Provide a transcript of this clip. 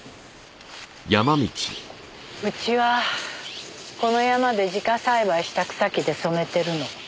うちはこの山で自家栽培した草木で染めてるの。